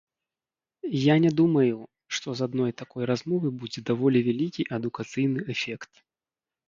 Я не думаю, што з адной такой размовы будзе даволі вялікі адукацыйны эфект.